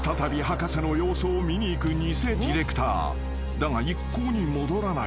［だが一向に戻らない。